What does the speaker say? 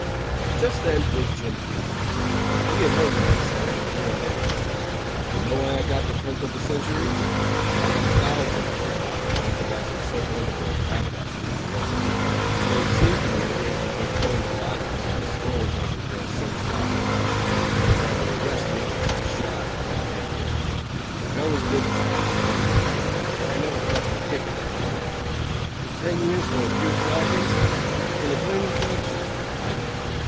Just then Big Jim came up. He had heard what I said and he joined in: "You know why I got the tenth of a century? I had thousands in my pocket and went to buy some silk underwear at a haberdasher's in New York. But it seemed to me a waste of good coin to buy them, so I stole a dozen pair of silk stockings. They tried to arrest me, I shot, and got ten years. I always did despise a petty thief, but I never felt like kicking him till then. Ten years for a few stockings! Can you blame the judge? I didn't.